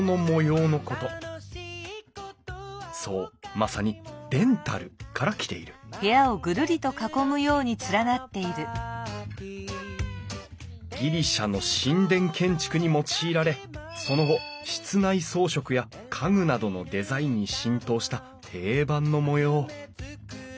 そうまさに「デンタル」から来ているギリシャの神殿建築に用いられその後室内装飾や家具などのデザインに浸透した定番の模様